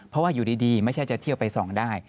เพราะว่าอยู่ดีไม่ใช่จะเที่ยวไปส่องได้